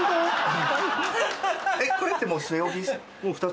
これってもう据え置きでした？